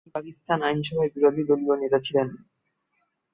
তিনি পাকিস্তান আইনসভায় বিরোধী দলীয় নেতা ছিলেন।